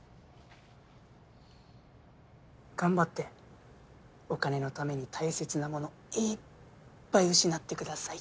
頑張ってお金のために大切なものいっぱい失ってください